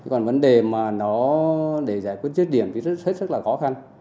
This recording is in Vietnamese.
còn vấn đề mà nó để giải quyết chất điểm thì rất là khó khăn